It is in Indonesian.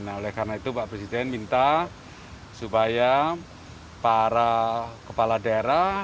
nah oleh karena itu pak presiden minta supaya para kepala daerah